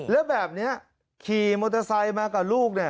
แล้วแบบนี้ขี่มอเตอร์ไซค์มากับลูก